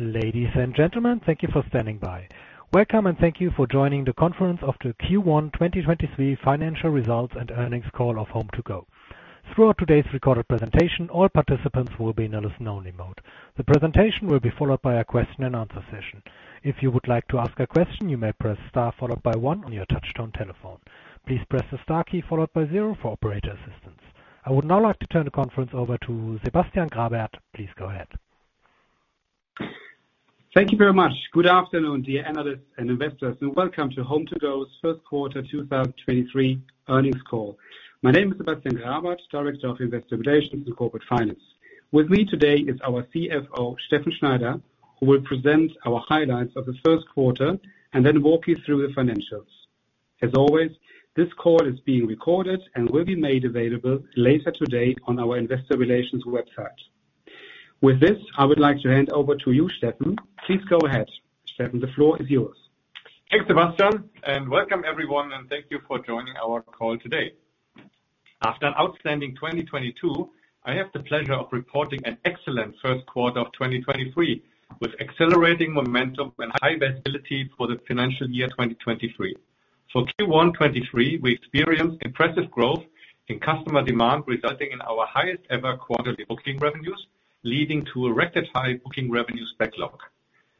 Ladies and gentlemen, thank you for standing by. Welcome, thank you for joining The Conference of The Q1 2023 Financial Results and Earnings Call of HomeToGo. Throughout today's recorded presentation, all participants will be in a listen-only mode. The presentation will be followed by a question and answer session. If you would like to ask a question, you may press star followed by one on your touch-tone telephone. Please press the star key followed by zero for operator assistance. I would now like to turn the conference over to Sebastian Grabert. Please go ahead. Thank you very much. Good afternoon, dear analysts and investors, and welcome to HomeToGo's first quarter 2023 earnings call. My name is Sebastian Grabert, Director of Investor Relations and Corporate Finance. With me today is our CFO, Steffen Schneider, who will present our highlights of the first quarter and then walk you through the financials. As always, this call is being recorded and will be made available later today on our investor relations website. With this, I would like to hand over to you, Steffen. Please go ahead. Steffen, the floor is yours. Thanks, Sebastian, and welcome everyone, and thank you for joining our call today. After an outstanding 2022, I have the pleasure of reporting an excellent first quarter of 2023, with accelerating momentum and high visibility for the financial year 2023. For Q1 2023, we experienced impressive growth in customer demand, resulting in our highest-ever quarterly booking revenues, leading to a record high booking revenues backlog.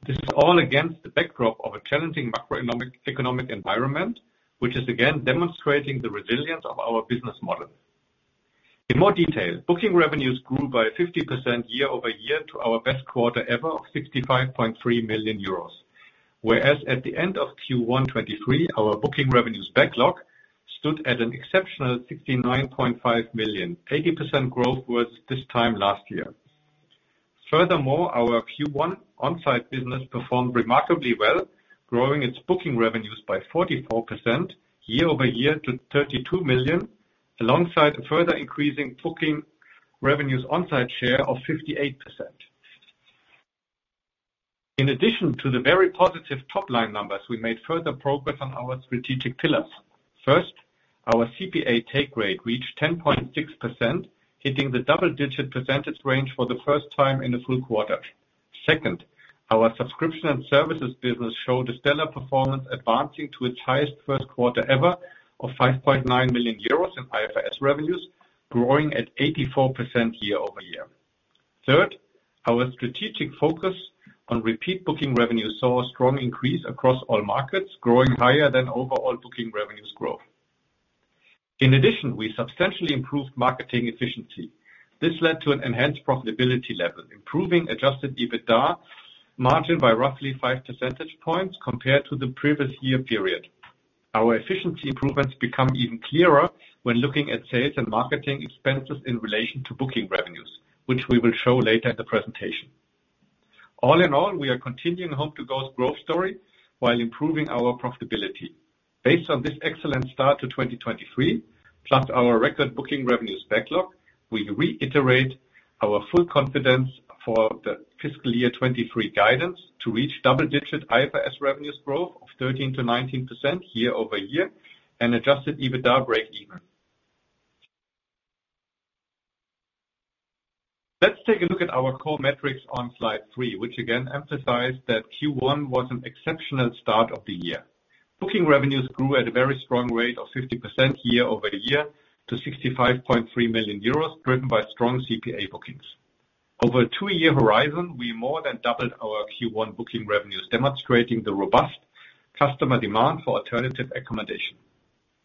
This is all against the backdrop of a challenging macroeconomic environment, which is again demonstrating the resilience of our business model. In more detail, booking revenues grew by 50% year-over-year to our best quarter ever of 65.3 million euros. At the end of Q1 2023, our booking revenues backlog stood at an exceptional 69.5 million, 80% growth versus this time last year. Furthermore, our Q1 on-site business performed remarkably well, growing its Booking Revenues by 44% year-over-year to 32 million, alongside a further increase in Booking Revenues Onsite Share of 58%. In addition to the very positive top-line numbers, we made further progress on our strategic pillars. First, our CPA take rate reached 10.6%, hitting the double-digit percentage range for the first time in a full-quarter. Second, our subscription and services business showed a stellar performance, advancing to its highest first quarter ever of 5.9 million euros in IFRS revenues, growing at 84% year-over-year. Third, our strategic focus on repeat Booking Revenues saw a strong increase across all markets, growing higher than overall Booking Revenues growth. In addition, we substantially improved marketing efficiency. This led to an enhanced profitability level, improving Adjusted EBITDA margin by roughly 5% points compared to the previous year period. Our efficiency improvements become even clearer when looking at sales and marketing expenses in relation to Booking Revenues, which we will show later in the presentation. All in all, we are continuing HomeToGo's growth story while improving our profitability. Based on this excellent start to 2023, plus our record Booking Revenues Backlog, we reiterate our full confidence for the fiscal year 2023 guidance to reach double-digit IFRS revenues growth of 13%-19% year-over-year and Adjusted EBITDA breakeven. Let's take a look at our core metrics on slide three, which again emphasize that Q1 was an exceptional start of the year. Booking revenues grew at a very strong rate of 50% year-over-year to 65.3 million euros, driven by strong CPA bookings. Over a two-year horizon, we more than doubled our Q1 booking revenues, demonstrating the robust customer demand for alternative accommodation.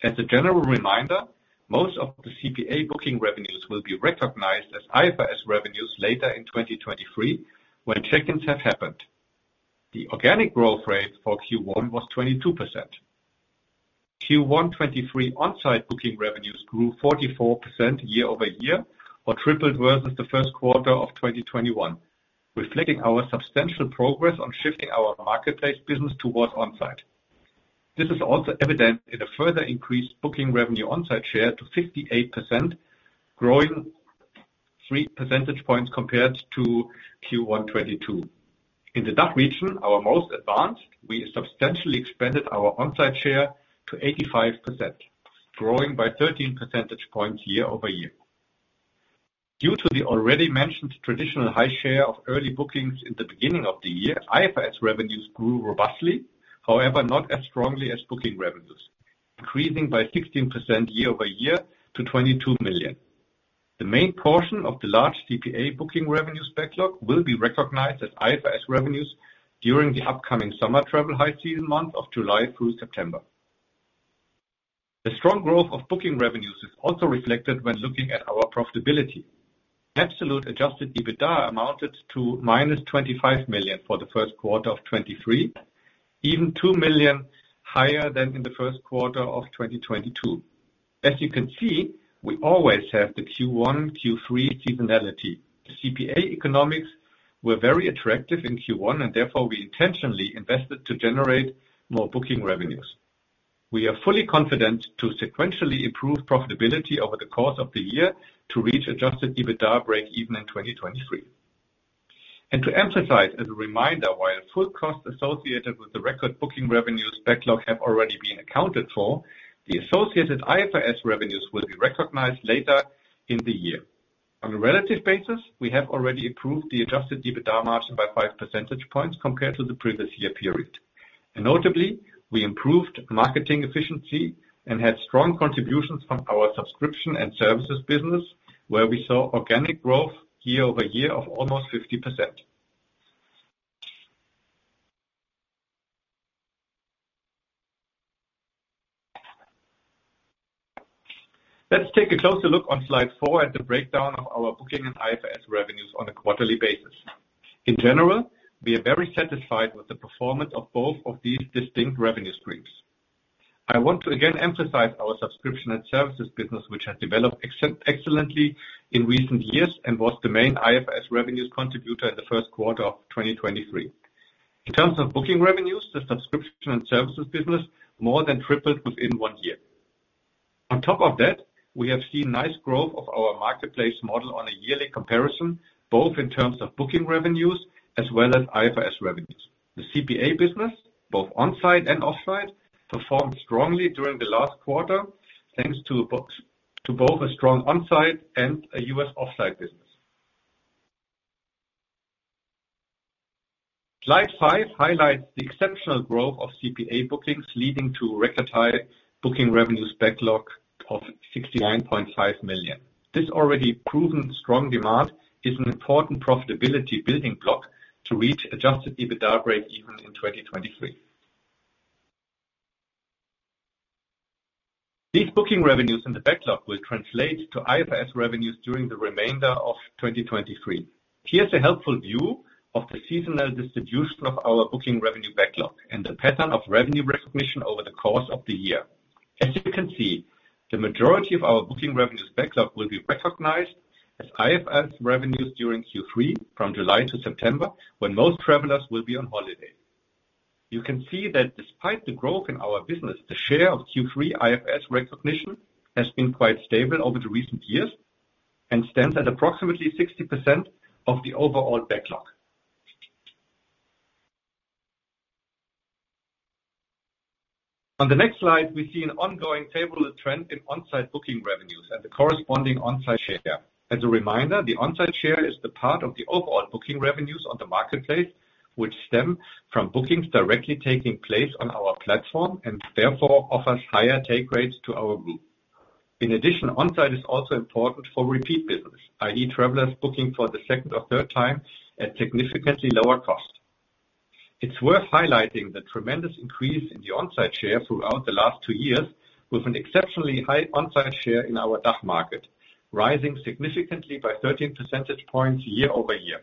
As a general reminder, most of the CPA booking revenues will be recognized as IFRS revenues later in 2023 when check-ins have happened. The organic growth rate for Q1 was 22%. Q1 2023 on-site booking revenues grew 44% year-over-year or tripled versus the first quarter of 2021, reflecting our substantial progress on shifting our marketplace business towards on-site. This is also evident in a further increased booking revenue Onsite Share to 58%, growing 3% points compared to Q1 2022. In the DACH region, our most advanced, we substantially expanded our Onsite Share to 85%, growing by 13%points year-over-year. Due to the already mentioned traditional high share of early bookings in the beginning of the year, IFRS revenues grew robustly, however, not as strongly as booking revenues, increasing by 16% year-over-year to 22 million. The main portion of the large CPA booking revenues backlog will be recognized as IFRS revenues during the upcoming summer travel high season months of July through September. The strong growth of booking revenues is also reflected when looking at our profitability. Absolute Adjusted EBITDA amounted to minus 25 million for the first quarter of 2023, even 2 million higher than in the first quarter of 2022. As you can see, we always have the Q1-Q3 seasonality. The CPA economics were very attractive in Q1. Therefore, we intentionally invested to generate more Booking Revenues. We are fully confident to sequentially improve profitability over the course of the year to reach Adjusted EBITDA breakeven in 2023. To emphasize as a reminder, while full costs associated with the record Booking Revenues Backlog have already been accounted for, the associated IFRS revenues will be recognized later in the year. On a relative basis, we have already improved the Adjusted EBITDA margin by 5% points compared to the previous year period. Notably, we improved marketing efficiency and had strong contributions from our subscription and services business, where we saw organic growth year-over-year of almost 50%. Let's take a closer look on slide four at the breakdown of our booking and IFRS revenues on a quarterly basis. In general, we are very satisfied with the performance of both of these distinct revenue streams. I want to again emphasize our subscription and services business, which has developed excellently in recent years and was the main IFRS revenues contributor in the first quarter of 2023. In terms of Booking Revenues, the subscription and services business more than tripled within one year. On top of that, we have seen nice growth of our marketplace model on a yearly comparison, both in terms of Booking Revenues as well as IFRS revenues. The CPA business, both on-site and off-site, performed strongly during the last quarter, thanks to to both a strong on-site and a U.S. off-site business. Slide five highlights the exceptional growth of CPA bookings, leading to record high Booking Revenues Backlog of 69.5 million. This already proven strong demand is an important profitability building block to reach Adjusted EBITDA breakeven in 2023. These booking revenues in the backlog will translate to IFRS revenues during the remainder of 2023. Here's a helpful view of the seasonal distribution of our booking revenue backlog and the pattern of revenue recognition over the course of the year. As you can see, the majority of our booking revenues backlog will be recognized as IFRS revenues during Q3 from July to September when most travelers will be on holiday. You can see that despite the growth in our business, the share of Q3 IFRS recognition has been quite stable over the recent years and stands at approximately 60% of the overall backlog. On the next slide, we see an ongoing favorable trend in on-site booking revenues and the corresponding Onsite Share. As a reminder, the Onsite Share is the part of the overall Booking Revenues on the marketplace, which stem from bookings directly taking place on our platform and therefore offers higher Take Rates to our group. Onsite is also important for repeat business, i.e. travelers booking for the second or third time at significantly lower cost. It's worth highlighting the tremendous increase in the Onsite Share throughout the last two years with an exceptionally high Onsite Share in our DACH market, rising significantly by 13% points year-over-year.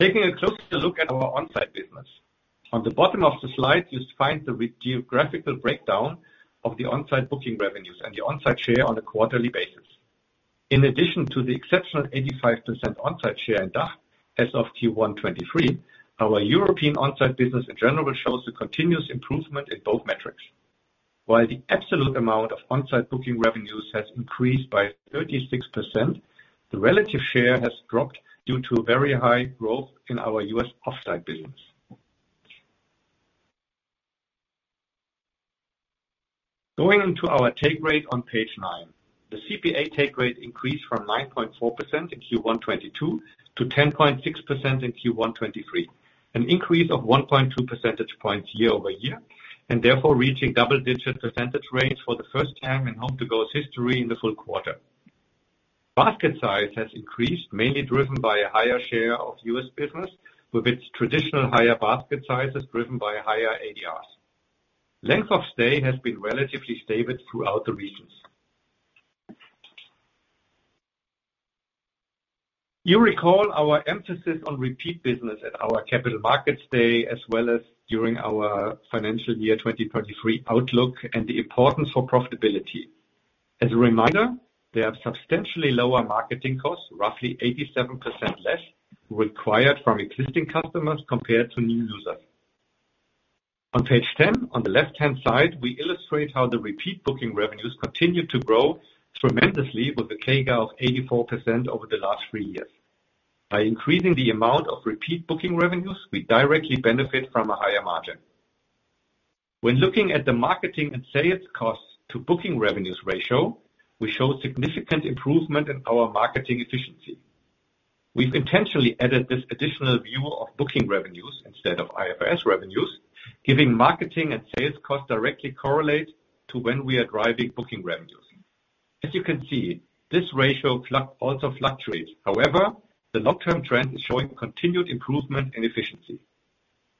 Taking a closer look at our Onsite business. On the bottom of the slide, you find the geographical breakdown of the Onsite Booking Revenues and the Onsite Share on a quarterly basis. In addition to the exceptional 85% Onsite Share in DACH, as of Q1 2023 our European on-site business in general shows a continuous improvement in both metrics. While the absolute amount of on-site Booking Revenues has increased by 36%, the relative share has dropped due to a very high growth in our US off-site business. Going on to our Take Rate on page nine. The CPA Take Rate increased from 9.4% in Q1 2022 to 10.6% in Q1 2023, an increase of 1.2% points year-over-year, and therefore reaching double-digit percentage rates for the first time in HomeToGo's history in the full-quarter. Basket size has increased, mainly driven by a higher share of U.S. business with its traditional higher basket sizes driven by higher ADRs. Length of stay has been relatively stable throughout the regions. You recall our emphasis on repeat business at our Capital Markets Day as well as during our financial year 2023 outlook and the importance for profitability. As a reminder, there are substantially lower marketing costs, roughly 87% less required from existing customers compared to new users. On page 10, on the left-hand side, we illustrate how the repeat Booking Revenues continued to grow tremendously with a CAGR of 84% over the last three years. By increasing the amount of repeat Booking Revenues, we directly benefit from a higher margin. When looking at the marketing and sales costs to Booking Revenues ratio, we show significant improvement in our marketing efficiency. We've intentionally added this additional view of Booking Revenues instead of IFRS revenues, giving marketing and sales costs directly correlate to when we are driving Booking Revenues. As you can see, this ratio also fluctuates. However, the long-term trend is showing continued improvement in efficiency.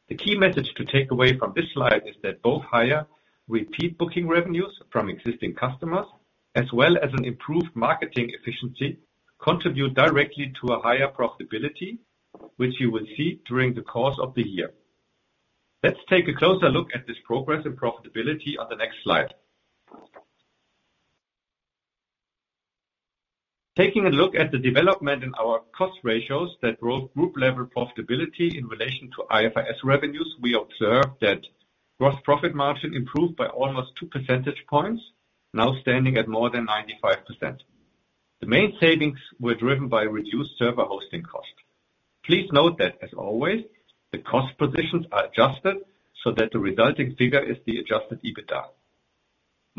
The key message to take away from this slide is that both higher repeat Booking Revenues from existing customers as well as an improved marketing efficiency contribute directly to a higher profitability, which you will see during the course of the year. Let's take a closer look at this progress and profitability on the next slide. Taking a look at the development in our cost ratios that drove group-level profitability in relation to IFRS revenues, we observe that gross profit margin improved by almost 2% points, now standing at more than 95%. The main savings were driven by reduced server hosting costs. Please note that, as always, the cost positions are adjusted so that the resulting figure is the Adjusted EBITDA.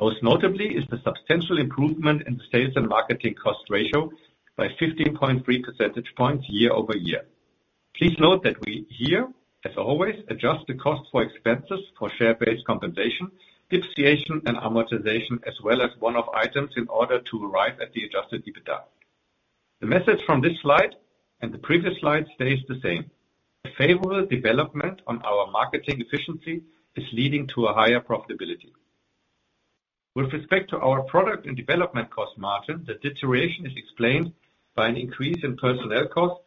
Most notably is the substantial improvement in sales and marketing cost ratio by 15.3% points year-over-year. Please note that we here, as always, adjust the cost for expenses for share-based compensation, depreciation and amortization, as well as one-off items in order to arrive at the Adjusted EBITDA. The message from this slide and the previous slide stays the same. The favorable development on our marketing efficiency is leading to a higher profitability. With respect to our product and development cost margin, the deterioration is explained by an increase in personnel costs,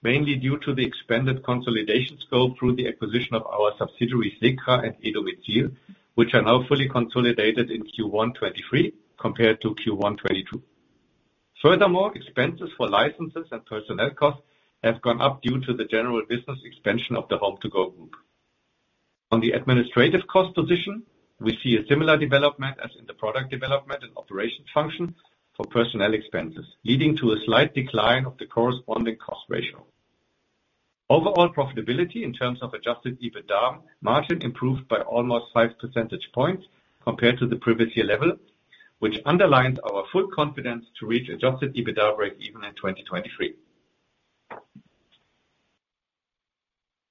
mainly due to the expanded consolidation scope through the acquisition of our subsidiaries, SECRA and e-domizil, which are now fully consolidated in Q1 2023 compared to Q1 2022. Expenses for licenses and personnel costs have gone up due to the general business expansion of the HomeToGo group. On the administrative cost position, we see a similar development as in the product development and operations function for personnel expenses, leading to a slight decline of the corresponding cost ratio. Overall profitability in terms of Adjusted EBITDA margin improved by almost 5% points compared to the previous year level, which underlines our full confidence to reach Adjusted EBITDA break even in 2023.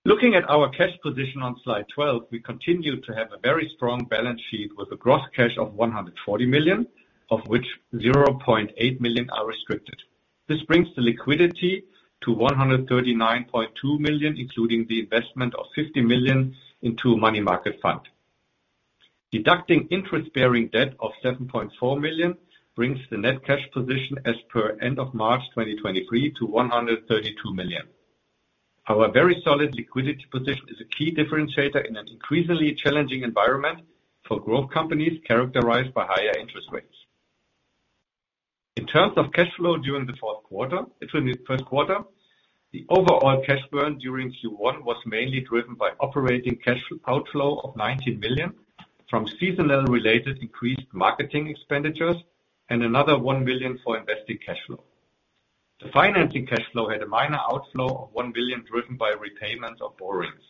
Looking at our cash position on slide 12, we continue to have a very strong balance sheet with a gross cash of 140 million, of which 0.8 million are restricted. This brings the liquidity to 139.2 million, including the investment of 50 million into a money market fund. Deducting interest bearing debt of 7.4 million brings the net cash position as per end of March 2023 to 132 million. Our very solid liquidity position is a key differentiator in an increasingly challenging environment for growth companies characterized by higher interest rates. In terms of cash flow during the first quarter, the overall cash burn during Q1 was mainly driven by operating cash outflow of 90 million from seasonally related increased marketing expenditures and another 1 million for investing cash flow. The financing cash flow had a minor outflow of 1 million driven by repayments of borrowings.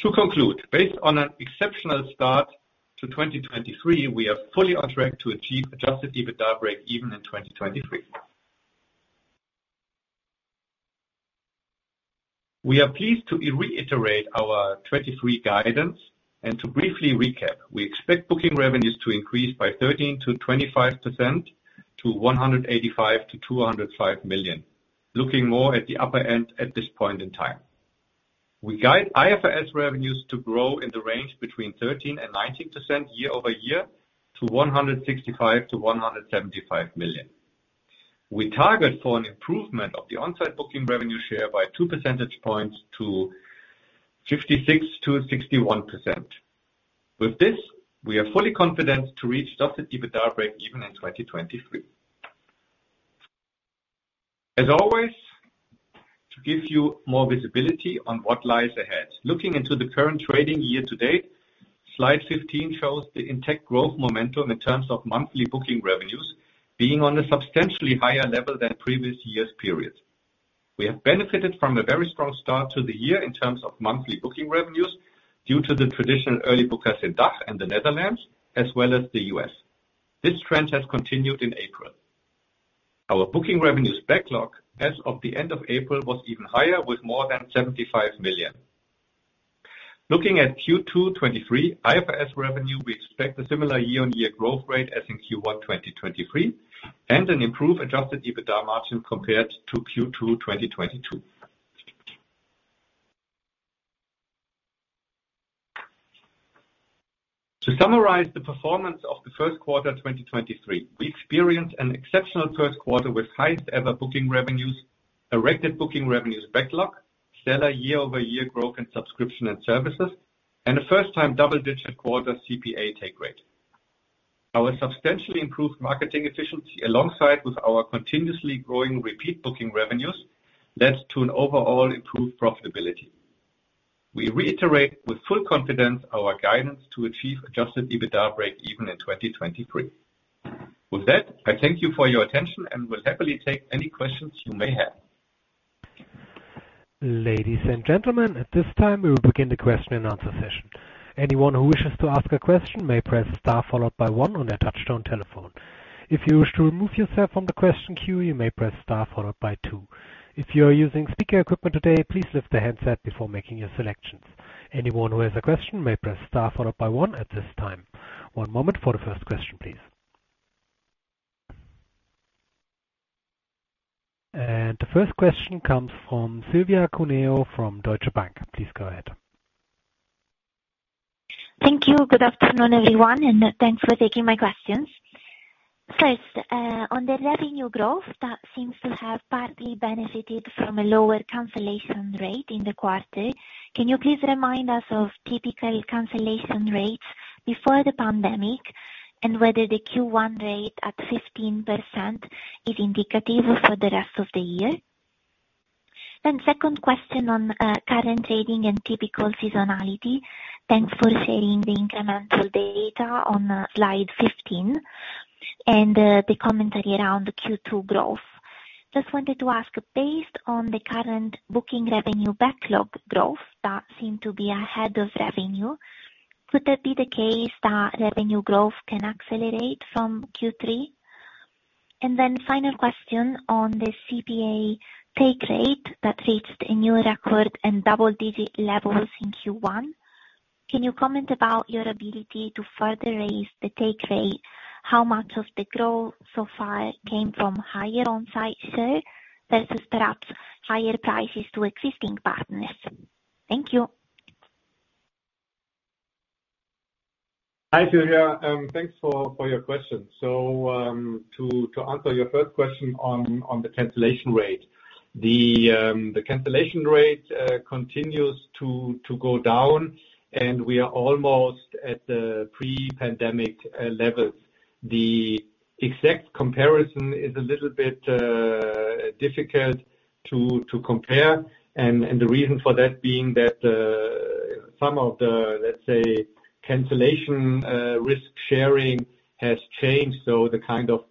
To conclude, based on an exceptional start to 2023, we are fully on track to achieve Adjusted EBITDA break even in 2023. We are pleased to reiterate our 2023 guidance and to briefly recap. We expect Booking Revenues to increase by 13%-25% to 185 million-205 million. Looking more at the upper end at this point in time. We guide IFRS revenues to grow in the range between 13% and 19% year-over-year to 165 million-175 million. We target for an improvement of the on-site booking revenue share by 2% points to 56%-61%. With this, we are fully confident to reach Adjusted EBITDA break even in 2023. As always, to give you more visibility on what lies ahead. Looking into the current trading year-to-date, slide 15 shows the intact growth momentum in terms of monthly booking revenues being on a substantially higher level than previous years' periods. We have benefited from a very strong start to the year in terms of monthly booking revenues due to the traditional early booker in DACH and the Netherlands as well as the U.S. This trend has continued in April.. Our Booking Revenues Backlog as of the end of April was even higher with more than 75 million. Looking at Q2 2023 IFRS revenue, we expect a similar year-on-year growth rate as in Q1 2023 and an improved Adjusted EBITDA margin compared to Q2 2022. To summarize the performance of the first quarter 2023, we experienced an exceptional first quarter with highest ever Booking Revenues, a record Booking Revenues Backlog, stellar year-over-year growth in subscription and services, and a first time double-digit quarter CPA Take Rate. Our substantially improved marketing efficiency alongside with our continuously growing repeat Booking Revenues led to an overall improved profitability. We reiterate with full confidence our guidance to achieve Adjusted EBITDA break even in 2023. With that, I thank you for your attention and will happily take any questions you may have. Ladies and gentlemen, at this time we will begin the question and answer session. Anyone who wishes to ask a question may press star followed by one on their touchtone telephone. If you wish to remove yourself from the question queue, you may press star followed by two. If you are using speaker equipment today, please lift the handset before making your selections. Anyone who has a question may press star followed by one at this time. One moment for the first question, please. The first question comes from Silvia Cuneo from Deutsche Bank. Please go ahead. Thank you. Good afternoon, everyone, and thanks for taking my questions. First, on the revenue growth that seems to have partly benefited from a lower cancellation rate in the quarter, can you please remind us of typical cancellation rates before the pandemic and whether the Q1 rate at 15% is indicative for the rest of the year? Second question on current trading and typical seasonality. Thanks for sharing the incremental data on slide 15 and the commentary around the Q2 growth. Just wanted to ask, based on the current Booking Revenues Backlog growth that seemed to be ahead of revenue, could that be the case that revenue growth can accelerate from Q3? Final question on the CPA Take Rate that reached a new record and double-digit levels in Q1. Can you comment about your ability to further raise the Take Rate? How much of the growth so far came from higher on-site sale versus perhaps higher prices to existing partners? Thank you. Hi, Julia. thanks for your question. The cancellation rate continues to go down, and we are almost at the pre-pandemic levels. The exact comparison is a little bit difficult to compare, and the reason for that being that some of the, let's say, cancellation risk-sharing has changed. The kind of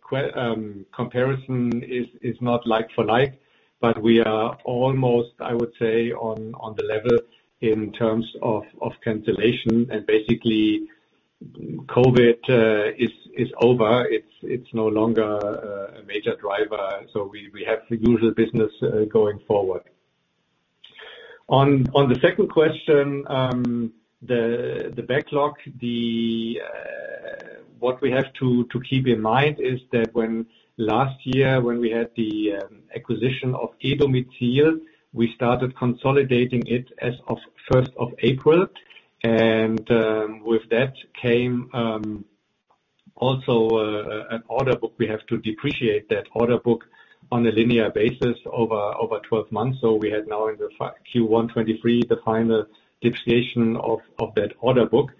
comparison is not like for like. But we are almost, I would say, on the level in terms of cancellation. Basically, COVID is over. It's no longer a major driver. We have the usual business going forward. On the second question, What we have to keep in mind is that when last year, when we had the acquisition of e-domizil, we started consolidating it as of 1st of April. With that came also an order book. We have to depreciate that order book on a linear basis over 12 months. We had now in Q1 2023 the final depreciation of that order book.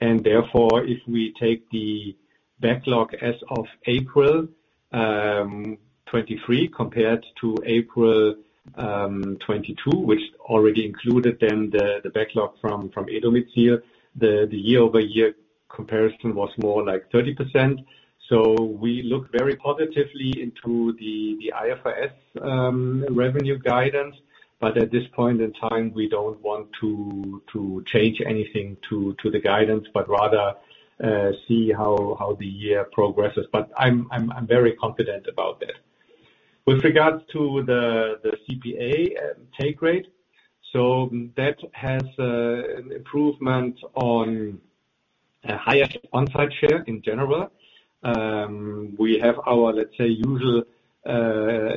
Therefore, if we take the backlog as of April 2023, compared to April 2022, which already included then the backlog from e-domizil, the year-over-year comparison was more like 30%. We look very positively into the IFRS revenue guidance. At this point in time, we don't want to change anything to the guidance, but rather see how the year progresses. I'm very confident about that. With regards to the CPA take rate, so that has an improvement on a higher Onsite Share in general. We have our, let's say, usual,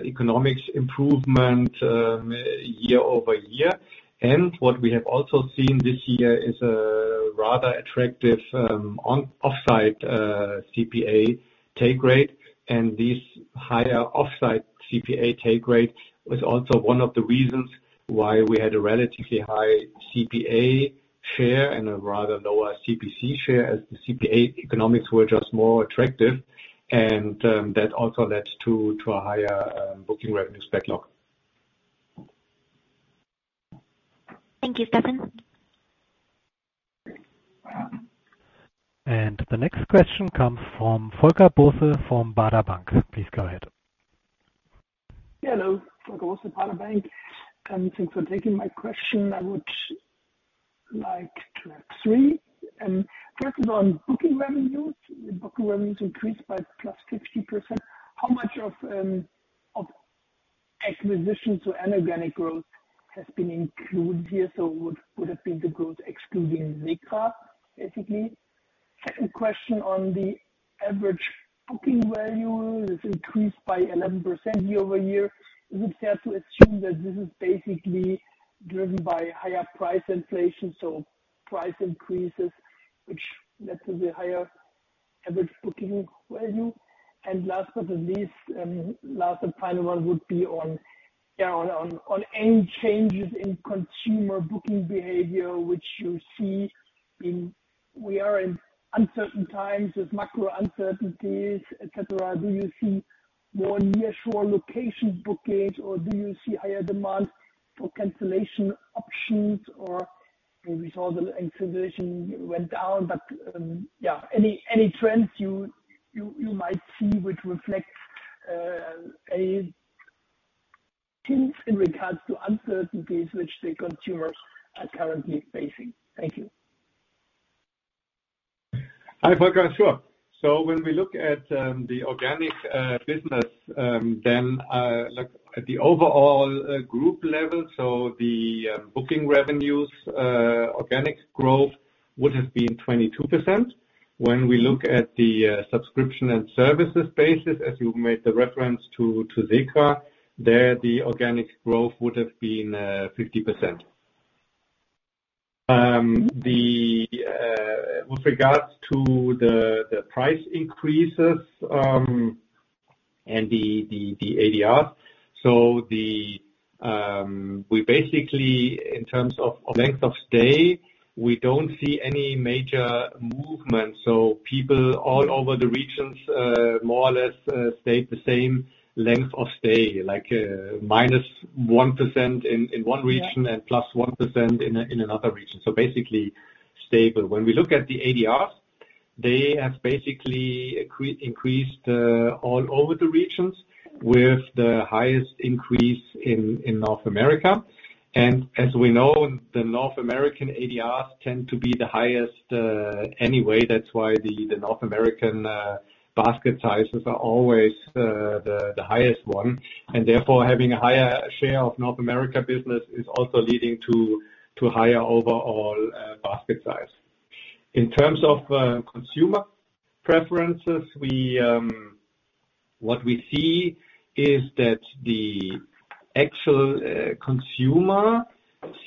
economics improvement year-over-year. What we have also seen this year is a rather attractive offsite CPA take rate. This higher offsite CPA take rate was also one of the reasons why we had a relatively high CPA share and a rather lower CPC share, as the CPA economics were just more attractive. That also led to a higher Booking Revenues Backlog. Thank you, Steffen. The next question comes from Volker Bosse of Baader Bank. Please go ahead. Yeah, hello. Volker Bosse, Baader Bank. Thanks for taking my question. I would like to have three. First is on Booking Revenues. Booking Revenues increased by +50%. How much of acquisitions or anorganic growth has been included here? Would have been the growth excluding SECRA, basically? Second question on the average booking value is increased by 11% year-over-year. Is it fair to assume that this is basically driven by higher price inflation, so price increases, which led to the higher average booking value? Last but not least, last and final one would be on any changes in consumer booking behavior, which you see. We are in uncertain times with macro uncertainties, et cetera. Do you see more nearshore location bookings, or do you see higher demand for cancellation options or maybe how the installation went down? Yeah, any trends you might see which reflect a hint in regards to uncertainties which the consumers are currently facing? Thank you. Hi, Volker. Sure. When we look at the organic business, then at the overall group level. The Booking Revenues organic growth would have been 22%. When we look at the subscription and services basis, as you made the reference to SECRA, there, the organic growth would have been 50%. With regards to the price increases and the ADR, we basically, in terms of length of stay, we don't see any major movement, people all over the regions more or less stay the same length of stay, -1% in one region and +1% in another region. Basically stable. When we look at the ADRs, they have basically increased all over the regions with the highest increase in North America. As we know, the North American ADRs tend to be the highest anyway. That's why the North American basket sizes are always the highest one, and therefore, having a higher share of North America business is also leading to higher overall basket size. In terms of consumer preferences, what we see is that the actual consumer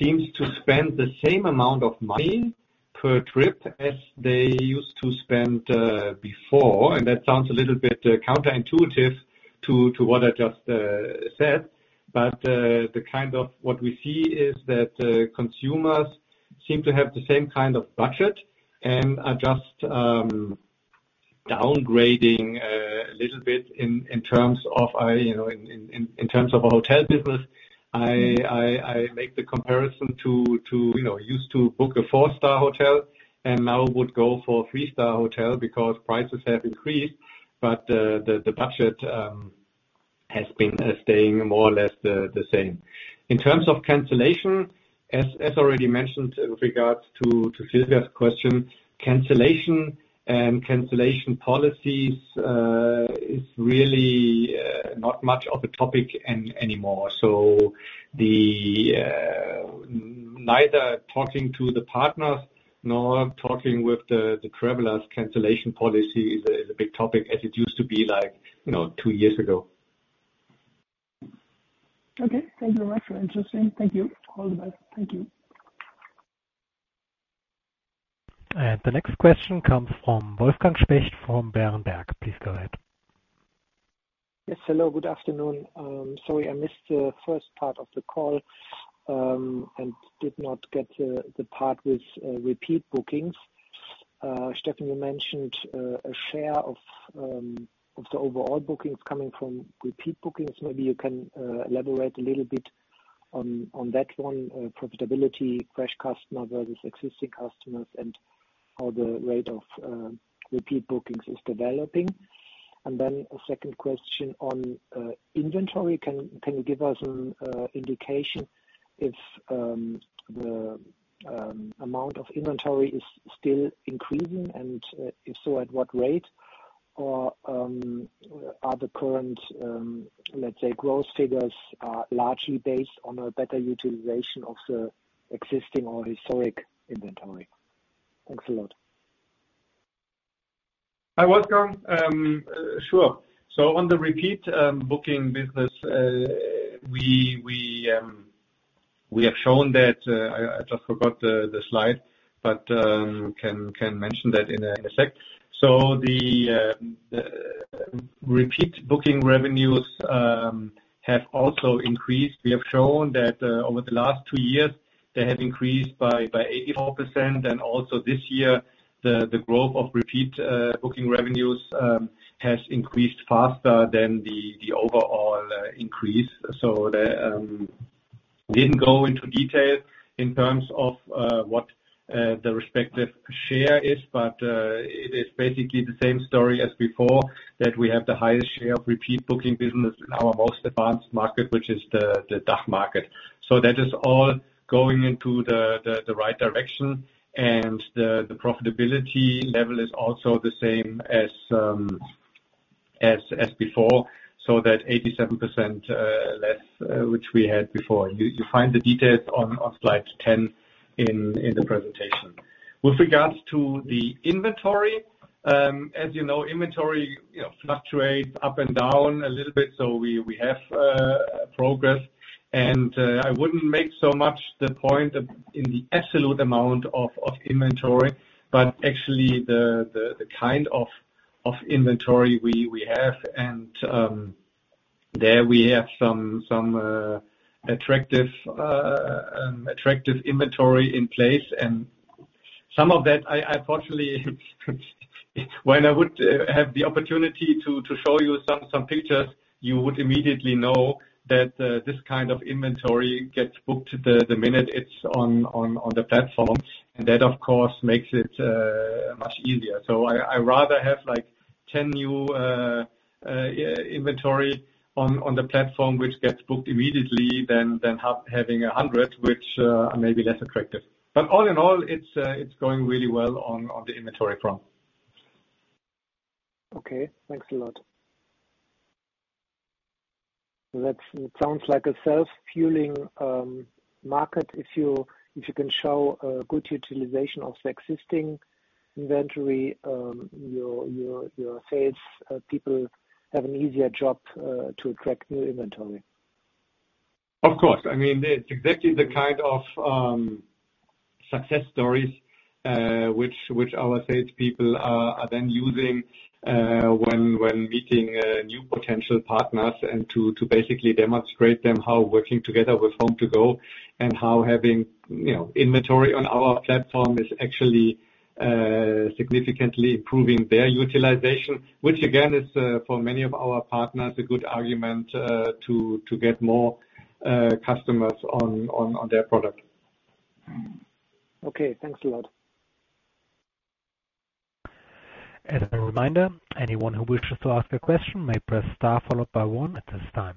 seems to spend the same amount of money per trip as they used to spend before. That sounds a little bit counter-intuitive to what I just said. The kind of what we see is that consumers seem to have the same kind of budget and are just downgrading a little bit in terms of a hotel business. I make the comparison to used to book a four-star hotel and now would go for a three-star hotel because prices have increased. The budget has been staying more or less the same. In terms of cancellation, as already mentioned in regards to Silvia's question, cancellation and cancellation policies is really not much of a topic anymore. Neither talking to the partners nor talking with the travelers, cancellation policy is a big topic as it used to be like two years ago. Okay. Thank you very much for interesting. Thank you. All the best. Thank you. The next question comes from Wolfgang Specht from Berenberg. Please go ahead. Yes, hello. Good afternoon. sorry, I missed the first part of the call, and did not get the part with repeat bookings. Steffen, you mentioned a share of the overall bookings coming from repeat bookings. Maybe you can elaborate a little bit on that one, profitability, fresh customer versus existing customers and how the rate of repeat bookings is developing? Then a second question on inventory. Can you give us an indication if the amount of inventory is still increasing, and if so, at what rate? Or are the current, let's say, growth figures largely based on a better utilization of the existing or historic inventory? Thanks a lot. Hi, Wolfgang. Sure. On the repeat booking business, we have shown that I just forgot the slide, but can mention that in a sec. The repeat Booking Revenues have also increased. We have shown that over the last two years, they have increased by 84%. Also this year, the growth of repeat Booking Revenues has increased faster than the overall increase. The didn't go into detail in terms of what the respective share is, but it is basically the same story as before, that we have the highest share of repeat booking business in our most advanced market, which is the DACH market. That is all going into the right direction. The profitability level is also the same as before, so that 87% less, which we had before. You find the details on slide 10 in the presentation. With regards to the inventory, as you know, inventory, you know, fluctuates up and down a little bit. We have progress. I wouldn't make so much the point of in the absolute amount of inventory, but actually the kind of inventory we have, and there we have some attractive inventory in place. Some of that, I fortunately when I would have the opportunity to show you some pictures, you would immediately know that this kind of inventory gets booked the minute it's on the platform. That, of course, makes it much easier. I rather have, like, 10 new inventory on the platform, which gets booked immediately than having 100, which are maybe less attractive. All in all, it's going really well on the inventory front. Okay. Thanks a lot. That sounds like a self-fueling market. If you, if you can show a good utilization of the existing inventory, your, your sales people have an easier job to attract new inventory. Of course. I mean, it's exactly the kind of success stories which our sales people are then using when meeting new potential partners and to basically demonstrate them how working together with HomeToGo and how having, you know, inventory on our platform is actually significantly improving their utilization, which again, is for many of our partners, a good argument to get more customers on their product. Okay. Thanks a lot. As a reminder, anyone who wishes to ask a question may press star followed by one at this time.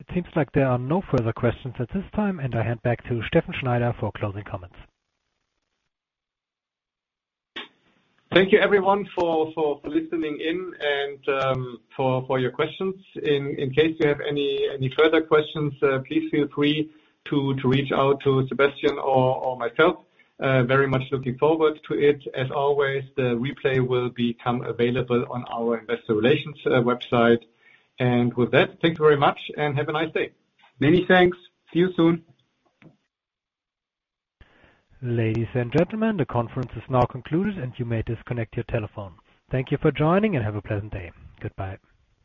It seems like there are no further questions at this time. I hand back to Steffen Schneider for closing comments. Thank you everyone for listening in and for your questions. In case you have any further questions, please feel free to reach out to Sebastian or myself. Very much looking forward to it. As always, the replay will become available on our investor relations website. With that, thank you very much and have a nice day. Many thanks. See you soon. Ladies and gentlemen, the conference is now concluded, and you may disconnect your telephone. Thank you for joining, and have a pleasant day. Goodbye.